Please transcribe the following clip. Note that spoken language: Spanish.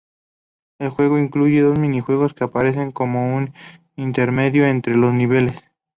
El juego incluye dos minijuegos que aparecen como un intermedio entre los niveles.